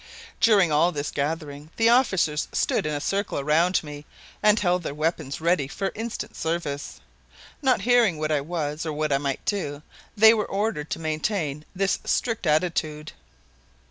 During all this gathering the officers stood in a circle around me and held their weapons ready for instant service. Not hearing what I was or what I might do, they were ordered to maintain this strict attitude.